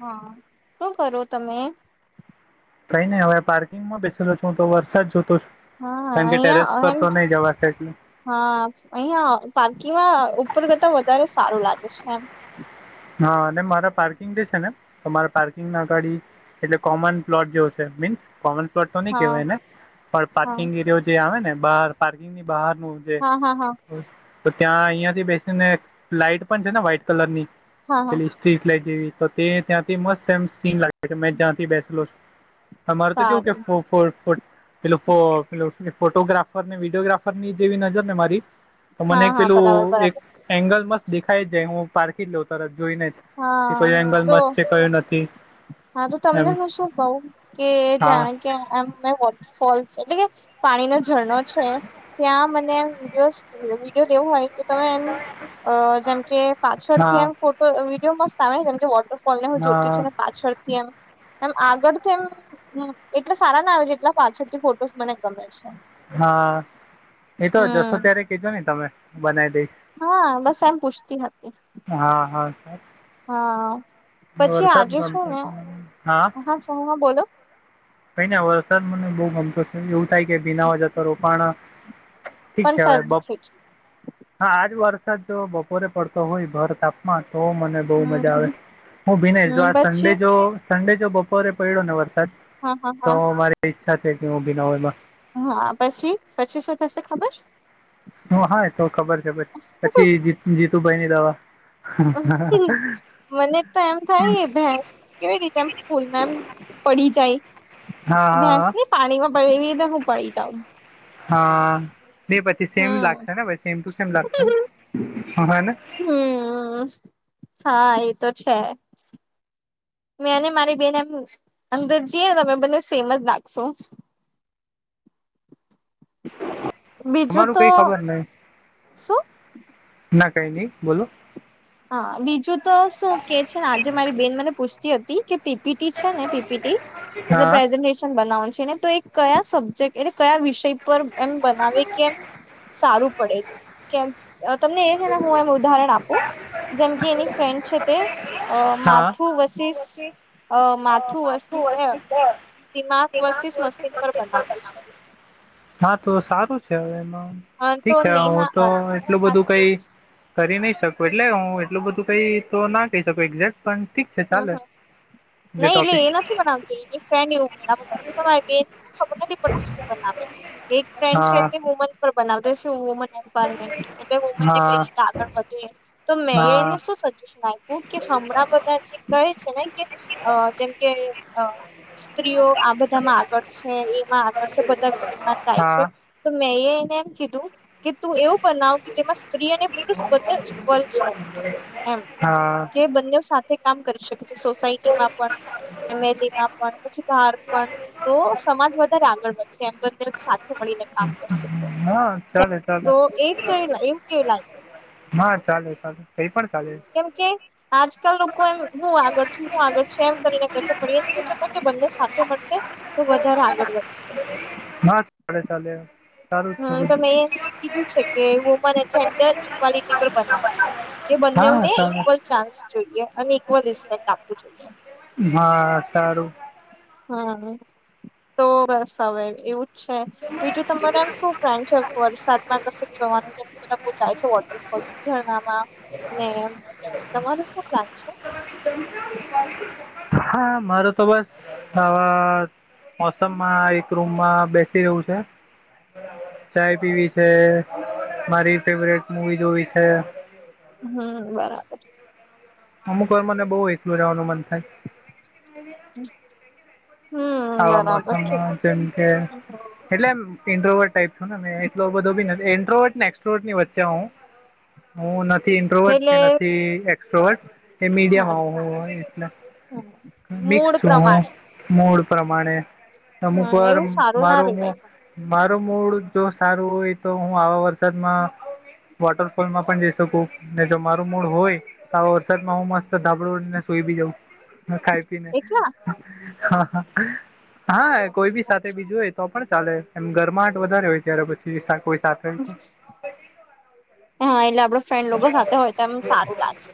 હા, શું કરો તમે કઈ નહી, હવે પાર્કિંગમાં બેસેલો છ, હું તો વરસાદ જોતો છું હા, કારણ કે ટેરેસ અહિયાં પર એમ તો નહી જવાશે એટલે હા, અહિયાં પાર્કિંગમાં ઉપર કરતા વધારે સારું લાગે છે, એમ હા, અને મારા પાર્કિંગ છેને, તમારા પાર્કિંગ ના અગાડી એટલે કોમન પ્લોટ જેવો છે, મીન્સ કોમન તો નહી હા કહેવાય ને પણ હા પાર્કિંગ, એરયો જે આવે ને બહાર પાર્કિંગ ની હા હા હા બહાર [unintelligible] ત્યાં અહિયાં થી બેસી ને લાાઈટ પણ છેને વ્હાઈટ કલર ની હા હા પેલી સ્ટ્રીક લાઈટ જેવી તે ત્યાંથી મસ્ત એમ સીન લાગે મેં જ્યાંથી બેસલો છુ તમાર તો કેવું સારું કે [unintelligible] પેલું ફો પેલું ફોટોગ્રાફર ને વિડીયોગ્રાફરની જેવી નજર ને મારી તો મને હા એક હા બરાબર પેલું એક બરાબર એંગલ મસ્ત દેખાય જાય હું પારખી જ લઉ તરત જોઈને જ કે કોઈ એંગલ મસ્ત છે કયું નથી હાતો તમને એમ હું શું કઉ કે હા જાણે કે મે [unintelligible] એટલે કે પાણી ન ઝરણો છે ત્યાં મને વિડિઓ કેવું હોય કે તમે એમ અ જેમ કે પાછળ થી હા એમ ફોટો વિડીયો મસ્ત આવે ને જેમકે વોટરફોલ ને હું જોતી હા છું ને પાછળથી એમ એમ આગળથી એમ એટલા સારાના આવે છે એટલા પાછળથી ફોટોસ મને ગમે છે હા એતો હમ જશો ત્યારે કજો ને તમે બનાવી દઈ હા બસ એમ પૂછતી હતી હા હા હા પછી આજે વરસાદ શું ને [unintelligible] હા હા બોલો કઈ ને વરસાદ મને બઉુ ગમતો છે એવું થાય કે બના હો જતો રોપણ ઠીક પણ છે હવે શરદી થઈ છે હા આજ વર સાદ જો બપોરે પડતો હોય ભર તાપમા તો મને બહુ હમ મજા હમ આવે હું ભિનેશ જો હમ આ પછી સડે જો સન્ડે જો બપોરે પડ્યો ને વર સાદ હા હા હા તો મારી ઈચ્છા થાય કે હું બીનાવ એમાં હા પછી શું થશે ખબર? હ હા તો ખબર છે પછી જીતુભાઈની દવા મને તો એમ થાય ભેસ કેવી રીતે એમ પૂલમાં એમ પડી જાય હા ભેંસ હા ને પાણીમાં પે એવી રીતે હું પડી જઉં. હા પછી સેમ હમ લાગશેને ભાઈ સેમ ટુ સેમ લાગશેને હને હમ હા એ તો છે મે અને મારી બેન અંદર જઈએ તો તમે બને સેમ જ લાગસુ હ [inaudible] બીજું અમારું તો કઈ ખબર નઈ શું ના કઈ ની બોલો હા બીજું તો શું કે છે ને આજે મારી બેન મને પૂછતી હતી કે પીપીટી છે ને પીપીટી એટલે હા પ્રેઝન્ટેશન બનાવવાનું છ એને તો એ કયા સબ્જેક્ટ એટલે કયા વિષય પર એમ બનાવે કે એમ સારું પડે કેમ તમને એ છે ને હું એમ ઉદાહરણ આપું જેમ કે એની ફ્રેન્ડ છે તે હા માથુ વસીસ અ માથું વસ્તી એ દિમાગ વસીસ મશીન પર બનાવતી છે હા તો સારું છે હવે એમાં હા ઠીક તો છે હું નેહા તો એટલું બધું મારી બેન કઈ કરી નહી શકું એટલે હું એટલું બધું કઈ તો ના કહી શકું એક્ઝેક્ટ પણ ઠીક છે ચાલે. જે નહી એટલે ટોપિક એ નથી બનાવતી એની ફેન એ ઉગણી ના બ નથી બનાવે એને ખબર નથી પડતી શું બનાવે. એક ફ્રેન્ડ છે હા કે વુમન પર બનાવ દે છે વુમન એમ્પાવરમેન્ટ એટલે હા કઈ રીતે આગળ વધે તો મેં હા એને શ સજેશન આપ્યું કે હમણાં બધા કહે જેમ કે આ બધામાં આગળ છે એમાં આગળ છે બધા વિષયમાં ચાય છે હા તો મે એ એમ કીધું કે તું એવું બનાવ કે જેમાં સ્ત્રી અને પુરુષ બંને ઈક્વલ છે એમ. હા કે બંને સાથે કામ કરી શકે. પ સોસાયટીમાં પણ ફેમલીમાં પણ પછી બાર પણ તો સમાજ વધારે આવે. ગળ વધશે એમ બને મળીને કામ કરશે તો. હા ચાલે ચાલે તો એ એવ કેવું લાગ્યું? હા ચાલે ચાલ. કેમ કે આજકાલ લોકો એમ હું આગળ છું હું આગળ છું એમ કરીને કર પડી એ નથી જોતા કે બંને સાથે મળશે તો વધારે આગળ વધશે. સા ચલે [unintelligible] હમ તમે એમ કીધું છે કે વુમન જેન્ડર ઇક્વાલિટી પર બનાવ છે. કે બંને હા ને ચાલે ઇક્વલ ચાન્સ જોઈએ અને ઇક્વલ રિસ્પેક્ટ આપવું જોઈએ. હા સારું. હમ તો બસ હવે એવું. છે બીજું તમારે એમ શું ફેમ છે વરસાદ કશ જવાનું છે બધા બહ જાય છે વોટરફોલ્સ જેમાં શું પ્લાન છે? [unintelligible] હા મારો તો બસ આવા મોસમમાં એક રૂમમાં બેસી રહું છે. ચાય પીવી છે. મારી ફેવરેટ મુવી જોવી છે. હમ બરાબર. અમુક વાર મને બહુ એકલું રહેવાનું મન થાય. હમ. આવા બરાબર છે મોસમમાં જેમ કે હમ એટલે એમ ઇન્ડોવર ટાઈપ છો ને મે એટલો બધો બી નથી. એન્ટ્રોવટ ને એક્સ્ટ્રોવર્ટ ની વચ્ચે હું હું નથી ઇન્ટ્રોવટ કે એટલે નથી એ શોર્ષ એ મીડયમ હા [unintelligible] એટલે મૂડ પ્રમાણે મુળ પ્રમાણે અમુક હા વાર એવું સારું ના મારું મુ રેવાય મારું પણ મારું મૂડ જો સારું હોય તો હું આવા વરસાદમાં વોટરફોલમાં પણ જઈ શકું ને જો મારું મૂળ હોય તો આ વરસાદમાં હું મસ્ત ધાબડુ ઓડીને કોઈ બી જવું ખાઈ પીને એકલા હા હા કોઈ બી સાથે બીજું હોય તો પણ ચાલે એમ ગરમાહટ વધારે હોય ત્યારે પછી શાકઈ હા એટલે આપડે ફ્રેન્ડ લોકો સાથે હોય તો એમ સારું લાગે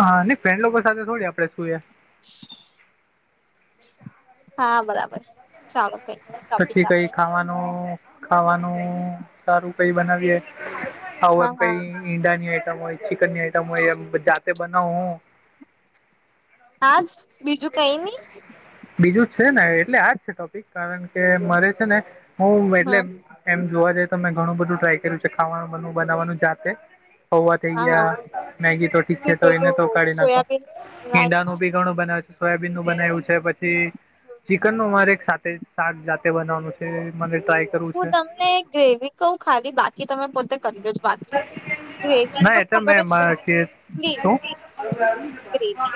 હા ફ્રેન્ડ લોકો સાથે થોડી આપડે સૂએ [inaudible] હા બરાબર ચાલો કઈ નઈ ટોપિક પછી કઈ આપડે ખાવાનું ખાવાનું સારું કઈ બનાવીએે આવું હા એમ હા કઈ ઈંડાની આઈટમ હોય ચિકનની આઈટમ હોય એમ જાતે બનાવ હું હાજ બીજું કઈ ની બીજુ જ છે ને એટલે આજ છે ટોપિક કારણ કે મને છે ને હું હમ એટલે એમ જોવા જાય તમે ઘણું બધું ટ્રાય કર્યું છે ખાવાનું બનાવવાનું જાતે પૌવા થઈ હા ગયા મેગી તો ઠીક કે છે તો એને તો પેલું કાઢી નાખો સોયાબીન રાઈસ હીંડાનું બી ઘણું બનાવે બનાવ્યું છે પછી હમ. ચિકનનું મારે એક સાથે શાક જાતે બનાવાનું છે મ હું તમને ગ્રેવી કઉ ખાલી બાકી તમે પોતે કરી લેજો બાકી ના એ તો મે મારે કે પ્લીઝ શું ગ્રેવી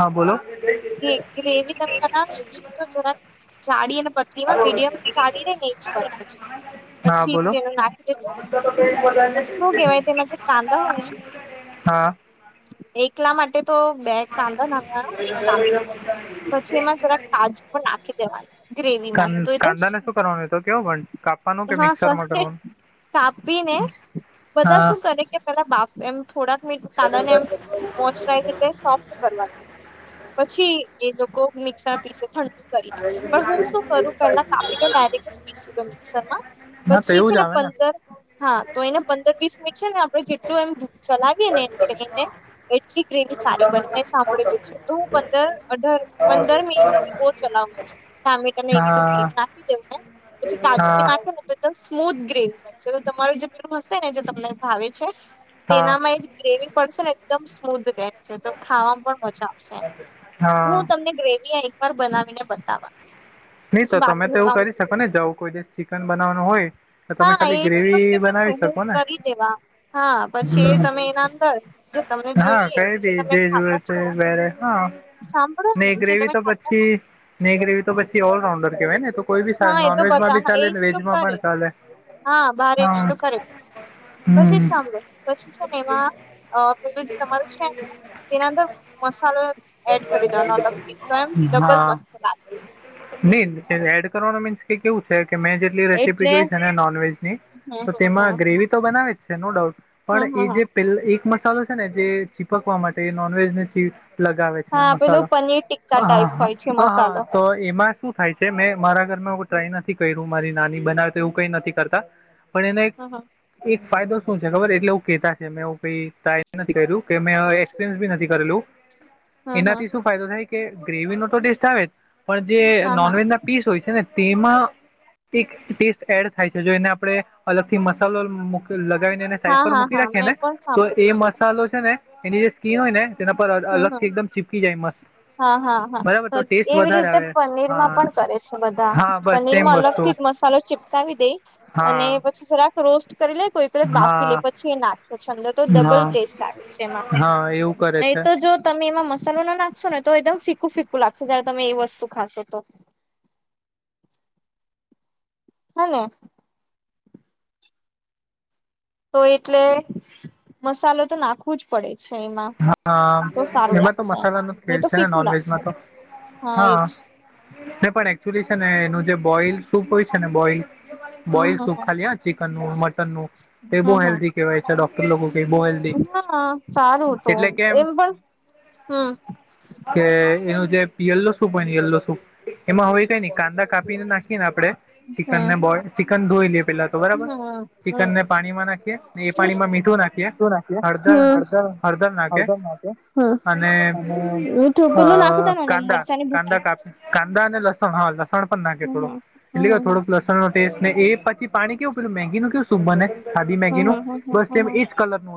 હા બોલો કે ગ્રેવી તમે બનાવોને તો જરા જાડી અને પતલીમાં મીડિયમ ચાડીને [unintelligible] હા પછી બોલો તેનું નાખી દે શું કેહેવાય તેમાં જે કાંદા હોય ને હા એટલા માટે તો બે કાંદા નાખવાના ટામે પછી એમાં જરા કાજુ પણ નાખી દેવાનું ગ્રેવીમાં તો એકદમ એતો કેવ પણ કાપવાનું કે હા મિક્સર માં સ કરવાનું કાપીને હમ. બધા હા શું કરે કે પેલા બાફ એમ થોડાક મીત કાંડાને એમ મોચરાઈઝ એટલે સોફ્ટ કરવાથી પછી એ લોકો મિક્સર પીસે ઠંડુ કરીને પણ હું શું કરું પેલા તાપીલો ડાયરેક્ટ જ પીસી લુ મિક્સરમાં હા તો પછી છે એવું જ ને આવે પંદર હા તો એને પંદર વીસ મિનિટ છે ને આપ જેટલું એમ ચલાવી એને લઈને એટલી હા ગ્રેવી સારી બને મે સાંભળેલું છે. તો હું પંદર અઢાર પંદર મિનિટ સુધી બહ ચલાવુ ને ટમેટા ને એ બધું લે નાખી દેવ ને પછી કાજુ હા બી નાખે ને તો એકદમ સ્મૂથ ગ્રેવી તમારું જે પેલું હશે ને જે તમને ભાવે છે તે હા એનામાં એક ગ્રેવી પડશે ને એકદમ સ્મૂધ રહેશે તો ખાવામાં પણ મજા આવશે હા હું તમને ગ્રેવી પર બનાવીને બતાવા નહી પછી તો તમે બાકીનું તેવું કામ કરી શકો ને જો આવું કોઈ દિવસ ચિકન બનાવાનું હોય તો તમે હા એજ ખાલી તો કે ગ્રેવી છું બનાવી હું શકો ને કરી દેવા હા પછી હમ. એ તમે એના અંદર જે તમને હા જોઈએ કઈ ભી તમે જે જુએ ખાતા છે છો વરે હા સાંભળો ને જે ગ્રેવી તમે તો ખાતા પછી ને ગ્રેવી તો પછી ઓલ રાઉન્ડર કેવાય ને એ તો કોઈ બી ચાલે હા એ તો નોનવેજમાં બધા બી હા ચાલે એજ ને તો વેજમાં કરે પણ ચાલે હા બાર જ હા તો કરે પછી હમ સાંભળો પછી છે ને એમાં અ પેલું જે તમારું છે, ને તેના અંદર મસાલો એડ કરી દેવાનો અલગથી તો એમ ડબલ હા મસ્ત લાગે નહી એડ કરવાનું મીન્સ કે કેવું છે કે મેં જેટલી રેસીપી એટલે જોઈ છે હમ ને નોનવેજ ની તો હમ તેમાં હમ ગ્રેવી તો બનાવે જ છે નો ડાઉટ પણ હમ એ હમ જે પે એક મ [unintelligible] છે ને જે ચીપકવા માટે નોનવેજ ને ચીજ લગાવે છે હા પેલું મસાલો પનીર ટિક્કા ટાઈપ હોય છે મસાલો. [unintelligible] એમાં શું થાય છે મેં મારા ઘર મા ટ્રાય હમ નથી કર્યું મારી નાની બનાવે તો એવું કઈ નથી કરતા પણ એને હમ એક ફાયદો શું છે ખબર એટલે હું કેતા કે મેં [unintelligible] કઈ નથી કર્યું કે મેં એક્સપિરિયન્સ બી નથી હમ કરેલું હમ એનાથી શું ફાયદો થાય કે ગ્રેવીનો તો ટેસ્ટ આવે જ પણ જે હા હા નોનવેજ ના પીસ હોય છે ને તેમાં એક ટેસ્ટ એડ થાય છે જો એને આપણે અલગથી મસાલો [unintelligible] દઈને સાઈડ હા પર હા મૂકી હા રાખી મેં ને પણ તો એ સાંભળેલું છે એવું મસાલો છે ને એની જ ઘી હોય ને તેના પર હમ અલગ હમ થી એકદમ ચીપકી જાય મસ્ત હા હા બરાબર તો હા ટેસ્ટ એવી વધારે રીતે આવે પનીર માં હા પણ કરે છે બધા હા બસ પનીર સેમ માં અલગ વસ્તુ થી મસાલો ચિપકાવી દે અને હા પછી જરાક રોસ્ટ કરી લે કોઈ [unintelligible] બાફી લે હા પછી એ નાખ્યો છંદર તો ડબલ હા ટેસ્ટ આવે છે એમાં હા એવું કરે નહી છે તો જો તમે તમે એમાં મસાલો ના નાખશો ને તો એકદમ ફીકું ફીકું લાગશે જયારે તમે એ વસ્તુ ખાશો તો [inaudible] હાને તો એટલે મસાલો તો નાખવું જ પડે છે એમાં હા તો સારું એમાં તો લાગશે એમ મસાલાનો જ નહી ખેલ તો છે ને ફીકું લાગશે નોનવેજમાં તો હા એ જ પણ એકચુલી છે ને એનું જે બોઇલ શુંપ હોય છે ને બોઈલ હમ બોઇલ હમ સુૂપ હમ ખાલી ચિકનનું મટનનુંએ બહુ હમ હેલ્ધી કેવાય છે ડોક્ટર કે બહુ હેલ્ધી હા સારું તો એટલે કેમ એમ પણ હમ્મ કે એનું જે યલો શૂપ હોય ને યલો સૂપ એમાં હોય કે ને કાંદા કાપીને નાખીએ ને આપણે ચિકન ને હમ બો ચિકન ધોઈને પેલા તો બરાબર હમ ચિકન હમ ને પાણીમાં નાખીએ એ પાણીમાં મીઠું નાખીએ શું નાખીએ હળદર હળદળ નાખે હળદર નાખીએ અને હમ મીઠું પેલું નાખી અ દેવાનું ને કાંદા મરચાંની ભૂકી કાંદા કાંદા અને લસણ હા લસણ પણ નાખે હમ થોડું એટલે હમ કે હમ થોડુંક લસણ નો ટેસ્ટ ને એ પછી પાણી કેવું પેલું મેગી નું કેવું શું બને સાદી મેગી નું હમ હમ બસ હમ એમ એ જ કલર નું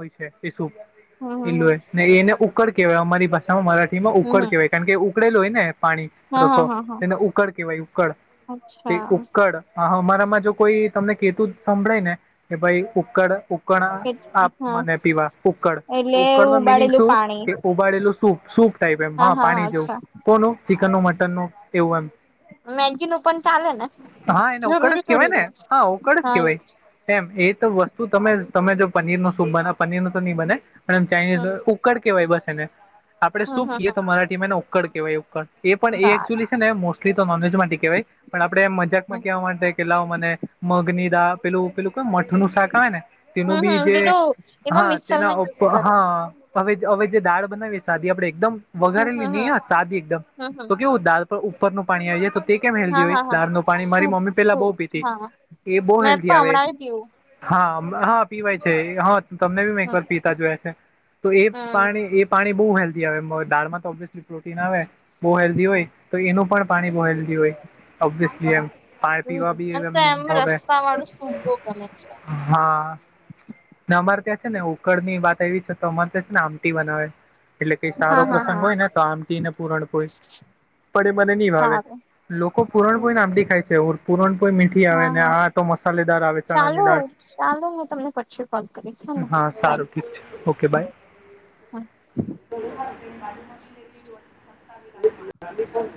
હમ હમ હમ હોય [unintelligible] ને એને ઉકળ કેવાય અમારી ભાષામાં મરા ઉકળ હમ કહેવાય કારણ કે ઉકળેલો હોય ને પાણી હા હા રસો હા હા તેને ઉકળ કેહેવાય ઉકળ તે અચ્છા ઉકળ હ અમારામાં જો કોઈ તમને કેતુ જ સંભળાય ને કે ભાઈ ઉકળ [unintelligible] આપ હા મને પીવા ઉકડ એટલે ઉકળ નો મિનિંગ ઉબાડેલું શું પાણી કે ઉબાડેલું સૂપ સૂપ ટાઈપ એમ હા પાણી જેવું કોનું હા ચિકનનું મટન નું એવું એમ મેગી નું પણ ચાલે ને [inaudible] હા એને ઉકડ જરૂરી જ કેવાય થોડી ને હા ઉકડ જ હા કેવાય એજ એમ એ તો વસ્તુ તમે હા તમે જો પનીર નો બરા પનીર નું તો નહી બને પણ એમ ચાઇનીઝ ન હમ ઉકળ કેવાય બસ એને આપડે હમ શું હમ કએ હમ તો મરાઠીમાંને ઉકળ કહેવાય ઉકડ એ પણ એ એકચુઅલી સારું છે ને મોસ્ટલી તો નોનવેજ માટે કહેવાય પણ આપણે એમ મજાક માં કહેવા માટે કે લાવ મને મગની દળ પેલું પેલું કે મઠ શાક આવે ને તેનું હમ બી હમ જે પેલું એમાં હા તેના મિસલમાં યુઝ કરે હા હવે હવે જે દાળ બનાવીએ સાદી આપડે એકદમ હમ વઘારેલી હમ નહી હમ હા સાદી એકદમ હમ હમ તો કેવું દાલ પર ઉપરનું પાણી આવી જાય તો તે કેમ હેલ્ધી હા હોય હા હા દાળનું પાણી મારી સૂપ મમ્મી પેલા બહુ સૂપ પીતી હા એ બવ મેં હેલ્ધી પણ આવે હમણાં પીવું હા હા, પીવાય છે, હા તમને બી એક હમ વાર પીતા જોયા છે, તો એ હમ પાણી એ પાણી બહુ હેલ્ી, આવે દાળમાં તો ઓબિયસલી પ્રોટીન આવે, બહુ હેલ્ધી હમ હોય, તો એનું પણ પાણી બહ હેલ્ધી હોય ઓસ, હા એમ પાણી હમ પીવા બી મને એમ, તો રસ્સા વાળું સૂપ બો ગમે છે હા ને અમારે ત્યાં છેને, ઉકળ ની વાત એવી છે, તો અમારે ત્યાં છેને, આમટી બનાવે એટલે કઈ સારો હા હા પ્રસંગ હા હોય, ને તો આમથીને પૂરણ કોઈ પડે મને નહી, ભાવે સારું લોકો પૂરણ કોઈ નામી ખાય છેર હા, હા આવે ચણાની ચાલો, દાળ ચાલો હું, તમને પછી કોલ કરીશ હ. હા સારું ઠીક છે, ઓકે બાય માજું નથી, લેવી મસ્ત આવી